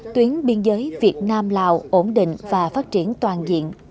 tuyến biên giới việt nam lào ổn định và phát triển toàn diện